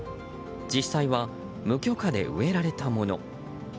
実際は無許可で植えられたもの。